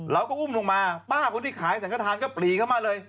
เราก็อุ้มลงมาป้าคนที่ขายสังขทานก็ปรีเข้ามาเลย